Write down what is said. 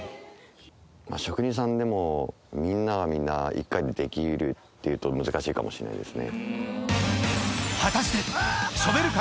職人さんでも、みんながみんな１回でできるっていうと難しいかもしれないですね。